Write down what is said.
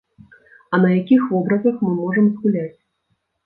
А на якіх вобразах мы можам згуляць?